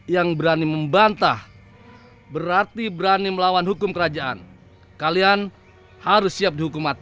telah membuang kotak kotak tersebut